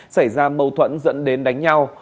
xảy ra mâu thuẫn dẫn đến đánh nhau